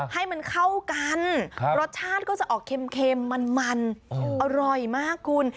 ให้มันเข้ากันรสชาติก็จะออกเค็มมันอร่อยมากคุณ